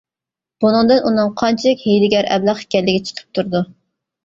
بۇنىڭدىن ئۇنىڭ قانچىلىك ھىيلىگەر ئەبلەخ ئىكەنلىكى چىقىپ تۇرىدۇ.